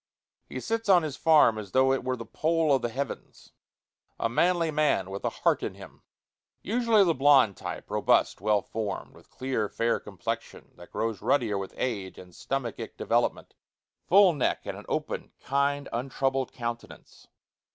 He sits on his farm as though it were the pole of the heavens a manly man with a heart in him. Usually of the blond type, robust, well formed, with clear, fair complexion, that grows ruddier with age and stomachic development, full neck, and an open, kind, untroubled countenance.